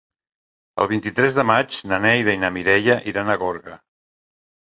El vint-i-tres de maig na Neida i na Mireia iran a Gorga.